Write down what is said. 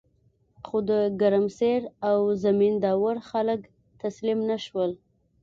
خو د ګرمسیر او زمین داور خلک تسلیم نشول.